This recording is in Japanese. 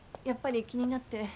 やっぱり気になって。